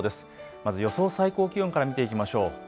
まず予想最高気温から見ていきましょう。